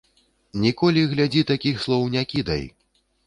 Ніколі, глядзі, такіх слоў не кідай.